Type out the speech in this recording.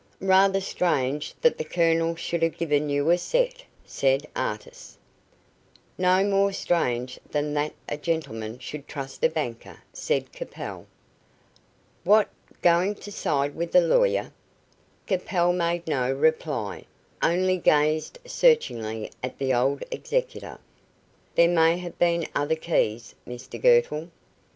"Rather strange that the Colonel should have given you a set," said Artis. "No more strange than that a gentleman should trust a banker," said Capel. "What, going to side with the lawyer?" Capel made no reply, only gazed searchingly at the old executor. "There may have been other keys, Mr Girtle."